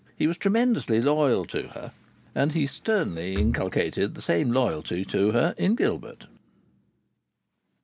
He was tremendously loyal to her, and he sternly inculcated the same loyalty to her in Gilbert.